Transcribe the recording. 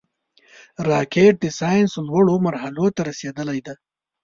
راکټ د ساینس لوړو مرحلو ته رسېدلی دی